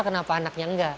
kenapa anaknya nggak